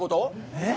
えっ？